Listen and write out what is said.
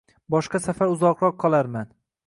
Boshqa safar uzoqroq qolarman.